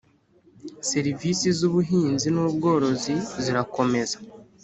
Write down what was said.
serivisi z ubuhinzi n ubworozi zirakomeza